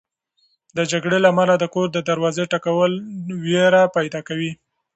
د جګړې له امله د کور د دروازې ټکول وېره پیدا کوي.